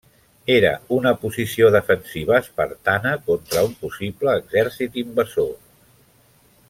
Era una posició defensiva espartana contra un possible exèrcit invasor.